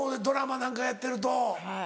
ドラマなんかやってると。